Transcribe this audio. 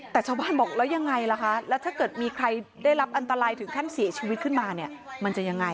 แต่ชาวบ้านบอกแล้วยังไงล่ะคะแล้วถ้าเกิดมีใครได้รับอันตรายถึงขั้นเสียชีวิตขึ้นมาเนี่ยมันจะยังไง